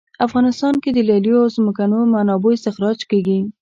افغانستان کې د لیلیو او ځمکنیو منابعو استخراج کیږي